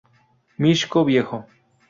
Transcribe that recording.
Mixco Viejo